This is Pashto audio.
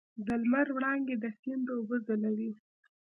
د لمر وړانګې د سیند اوبه ځلوي.